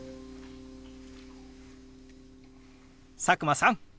佐久間さん！